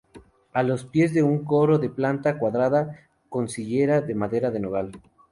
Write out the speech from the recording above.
A los pies un coro de planta cuadrada, con sillería de madera de nogal.